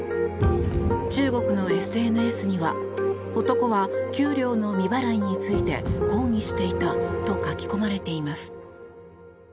中国のＳＮＳには男は給料の未払いについて抗議していたと書き込まれています。